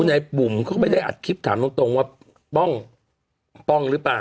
นายบุ๋มเขาก็ไม่ได้อัดคลิปถามตรงว่าป้องป้องหรือเปล่า